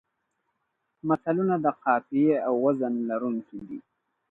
متلونه د قافیې او وزن لرونکي دي